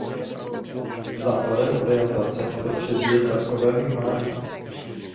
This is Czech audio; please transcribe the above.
Základem orientace v prostředí je zrakové vnímání.